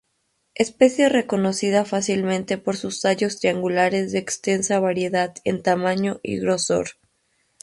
Especie reconocida fácilmente por sus tallos triangulares de extensa variedad en tamaño y grosor.